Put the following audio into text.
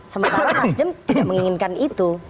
sementara mas jem tidak menginginkan itu